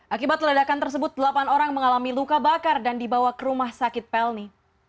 akibat ledakan tersebut delapan orang mengalami luka bakar dan dibawa ke rumah sakit pelni